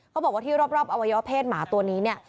เขาบอกว่าที่รอบอวัยวะเพศหมาตัวนี้เนี่ย